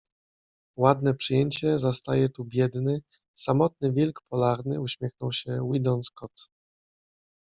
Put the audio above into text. Ładne przyjęcie zastaje tu biedny, samotny wilk polarny uśmiechnął się Weedon Scott